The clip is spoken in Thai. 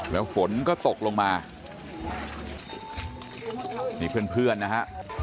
แล้วฝนก็ตกลงมานี่เพื่อนนะฮะ